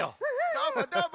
どーもどーも！